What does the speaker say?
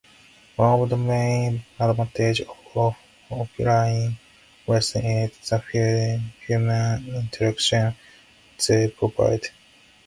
One of the main advantages of offline lessons is the human interaction they provide.